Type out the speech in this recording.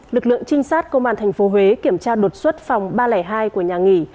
lực lượng trinh sát công an tp huế kiểm tra đột xuất phòng ba trăm linh hai của nhà nghỉ